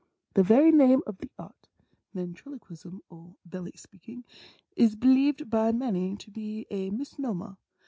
The very name of the Art— Ven triloquism or belly speaking — is believed by many to be a misno mer.